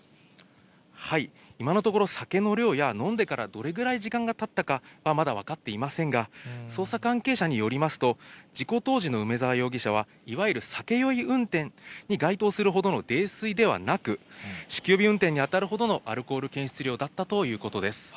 今のところ、酒の量や飲んでからどれくらい時間がたったかはまだ分かっていませんが、捜査関係者によりますと、事故当時の梅沢容疑者は、いわゆる酒酔い運転に該当するほどの泥酔ではなく、酒気帯び運転に当たるほどのアルコール検出量だったということです。